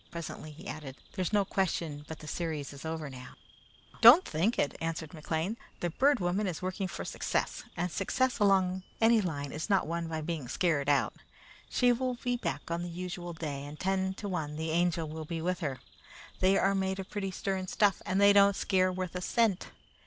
Presently he added, "There's no question but the series is over now." "Don't think it!" answered McLean. "The Bird Woman is working for success, and success along any line is not won by being scared out. She will be back on the usual day, and ten to one, the Angel will be with her. They are made of pretty stern stuff, and they don't scare worth a cent.